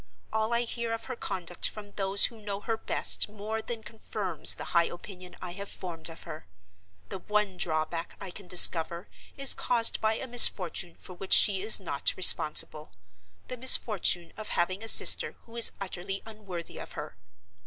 All I hear of her conduct from those who know her best more than confirms the high opinion I have formed of her. The one drawback I can discover is caused by a misfortune for which she is not responsible—the misfortune of having a sister who is utterly unworthy of her.